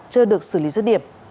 chưa được xử lý dứt điểm